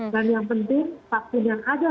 dan yang penting vaksin yang ada